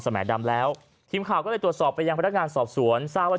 แหมดำแล้วทีมข่าวก็เลยตรวจสอบไปยังพนักงานสอบสวนทราบว่า